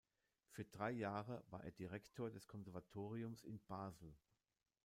Für drei Jahre war er Direktor des Konservatoriums in Basel.